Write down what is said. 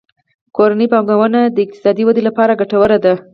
کورنۍ پانګونه د اقتصادي ودې لپاره ګټوره ده.